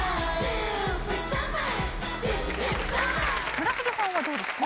村重さんはどうですか？